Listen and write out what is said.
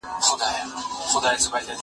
زه جواب نه ورکوم